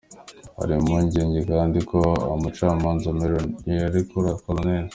Hari impungenge kandi ko Umucamanza Meron, yarekura Col.